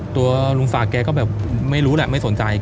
ตัวลุงศักดิ์แกก็แบบไม่รู้แหละไม่สนใจ